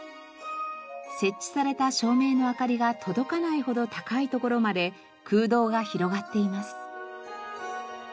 設置された照明の明かりが届かないほど高い所まで空洞が広がっています。